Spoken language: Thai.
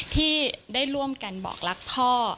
ที่ได้ร่วมกันบอกรักพ่อ